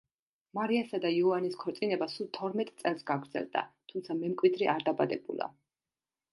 მარიასა და იოანეს ქორწინება სულ თორმეტ წელს გაგრძელდა, თუმცა მემკვიდრე არ დაბადებულა.